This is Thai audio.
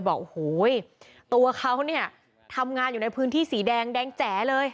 บอกโอ้โหตัวเขาเนี่ยทำงานอยู่ในพื้นที่สีแดงแดงแจ๋เลย